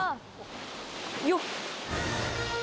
よっ。